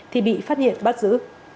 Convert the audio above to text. thì bị phát hiện bắt giữ